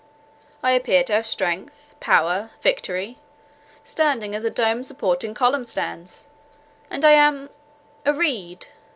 I appear to have strength, power, victory; standing as a dome supporting column stands; and I am—a reed!